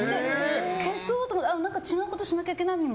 消そうと思って何か違うことしなきゃいけないのに